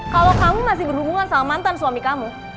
kalau kamu masih berhubungan sama mantan suami kamu